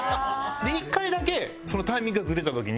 １回だけタイミングがずれた時に。